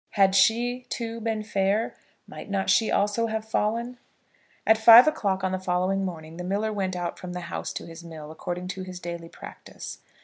Had she, too, been fair, might not she also have fallen? At five o'clock on the following morning the miller went out from the house to his mill, according to his daily practice.